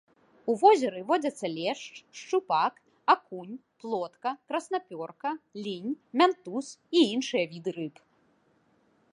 У возеры водзяцца лешч, шчупак, акунь, плотка, краснапёрка, лінь, мянтуз і іншыя віды рыб.